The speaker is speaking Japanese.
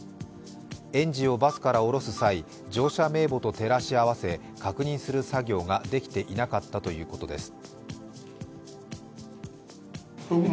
園児をバスから降ろす際、乗車名簿と照らし合わせ確認する作業ができていなかったということです。